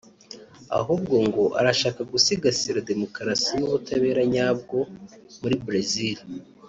ahubwo ngo arashaka gusigasira demokarasi n’ubutabera nyabwo muri Brazil